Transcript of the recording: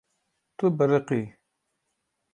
Tu biriqî.